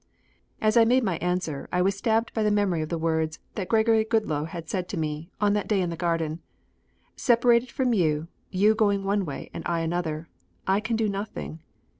As I made my answer I was stabbed by the memory of the words that Gregory Goodloe had said to me on that day in the garden: "Separated from you, you going one way and I another, I can do nothing.